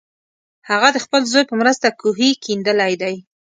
هغه د خپل زوی په مرسته کوهی کیندلی دی.